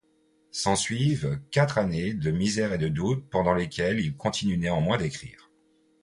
S'ensuivent quatre années de misère et de doute pendant lesquelles il continue néanmoins d'écrire.